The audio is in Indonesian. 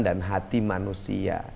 dan hati manusia